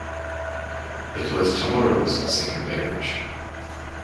It was Chamorro’s second marriage.